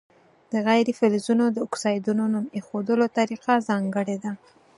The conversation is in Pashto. د غیر فلزونو د اکسایدونو نوم ایښودلو طریقه ځانګړې ده.